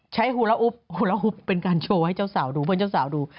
ใช้หุระอุ๊บหุระอุ๊บเป็นการโชว์ให้เพื่อนเจ้าสาวดู